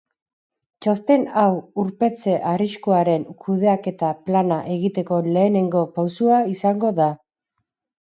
Txosten hau urpetze arriskuaren kudeaketa plana egiteko lehenengo pausua izango da.